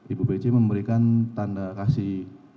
ibu pece memberikan tanda kasih